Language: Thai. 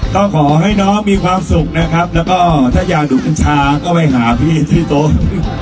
ก็ขอให้น้องมีความสุขนะครับแล้วก็ถ้าอยากดูกัญชาก็ไปหาพี่ที่โต๊ะ